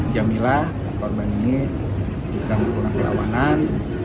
jamilah korban ini bisa melakukan perlawanan